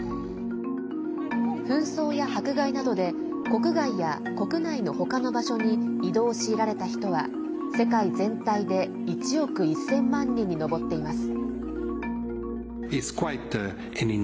紛争や迫害などで国外や国内の他の場所に移動を強いられた人は世界全体で１億１０００万人に上っています。